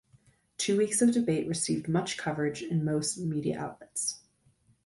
Two weeks of debate received much coverage in most media outlets.